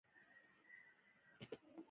زه باید د ټولني د پرمختګ لپاره هڅه وکړم.